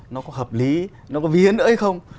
nó có hợp lý nó có vi hiến nữa hay không